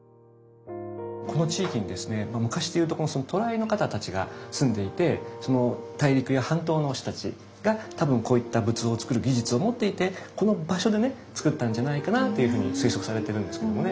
この地域にですね昔で言うところの渡来の方たちが住んでいてその大陸や半島の人たちが多分こういった仏像をつくる技術を持っていてこの場所でねつくったんじゃないかなというふうに推測されてるんですけどもね。